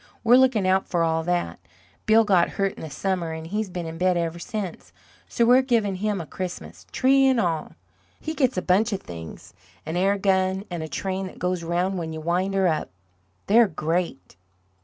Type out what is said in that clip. We're looking out for all that. Bill got hurt in the summer, and he's been in bed ever since. So we are giving him a Christmas tree and all. He gets a bunch of things an air gun, and a train that goes around when you wind her up. They're great!"